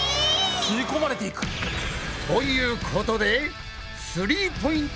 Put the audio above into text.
吸い込まれていく！ということでスリーポイント